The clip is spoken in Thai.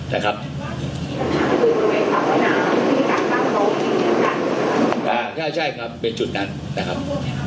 นะครับอ่าใช่ครับเป็นจุดนั้นนะครับ